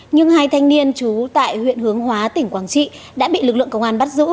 nhưng hai thanh niên trú tại huyện hướng hóa tỉnh quảng trị đã bị lực lượng công an bắt giữ